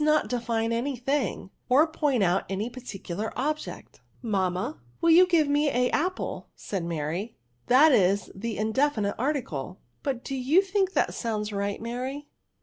41 BOt define any thing, or point out any parti* cular object/' '^ Manuna^ will you give me a apple?'* said Mary ;'^ that is the indefinite article/' ^' But do you think that sounds rights Mary?"